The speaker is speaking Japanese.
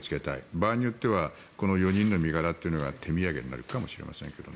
場合によっては４人の身柄が手土産になるかもしれませんしね。